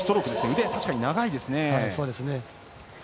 腕、確かに長いですね。